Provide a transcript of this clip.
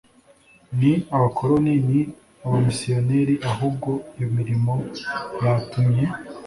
n abakoroni n abamisiyoneri Ahubwo iyo mirimo yatumye